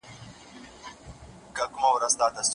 د فتح خان او رابعې کیسه ډېره مشهوره ده.